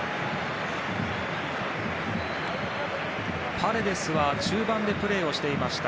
パレデスは中盤でプレーをしていました。